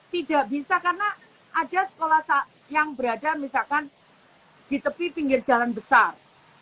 tidak bisa karena ada sekolah yang berada misalkan di tepi pinggir jalan besar